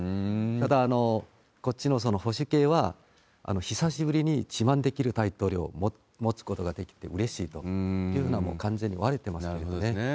ただ、こっちの保守系は、久しぶりに自慢できる大統領を持つことができてうれしいというふうな、なるほどですね。